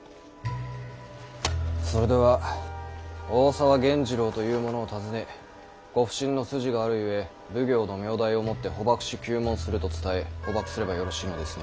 それでは大沢源次郎という者を訪ね「ご不審の筋があるゆえ奉行の名代をもって捕縛し糺問する」と伝え捕縛すればよろしいのですね。